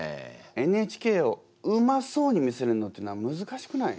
「ＮＨＫ」をうまそうに見せるのってのはむずかしくない？